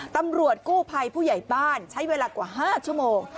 ตำรวจกู้ภัยผู้ใหญ่บ้านใช้เวลากว่า๕ชั่วโมง